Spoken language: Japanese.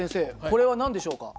これは何でしょうか？